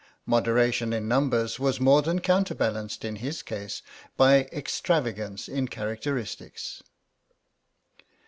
Moderation in numbers was more than counterbalanced in his case by extravagance in characteristics.